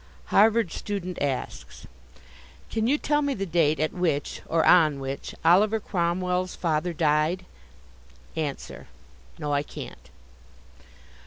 Harvard Student asks: Can you tell me the date at which, or on which, Oliver Cromwell's father died? Answer: No, I can't.